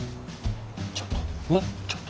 ちょっとちょっと。